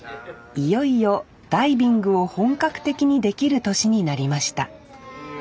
いよいよダイビングを本格的にできる年になりました